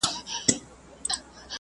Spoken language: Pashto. باطل په ټولنه کي د تیارو سیوری دی.